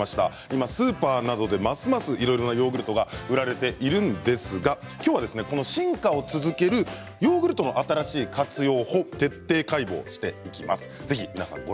今スーパーなどでますますいろいろなヨーグルトが売られているんですが今日は進化を続けるヨーグルトの新しい活用法を徹底解剖していきます。